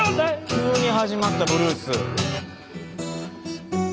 急に始まったブルース。